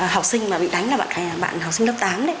học sinh mà bị đánh là bạn học sinh lớp tám đấy